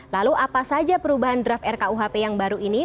lalu apa saja perubahan draft rkuhp yang baru ini